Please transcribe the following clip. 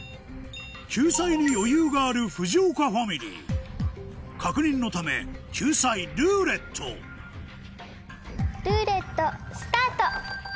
救済に余裕がある藤岡ファミリー確認のため救済「ルーレット」ルーレットスタート。